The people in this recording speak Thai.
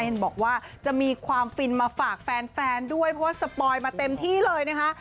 บอกว่าจะมีความฟินมาฝากแฟนด้วยเพราะว่าสปอยมาเต็มที่เลยนะคะ